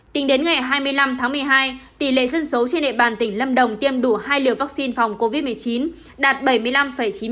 tính đến ngày hai mươi năm tháng một mươi hai tỷ lệ dân số trên địa bàn tỉnh lâm đồng tiêm đủ hai liều vaccine phòng covid một mươi chín đạt bảy mươi năm chín mươi chín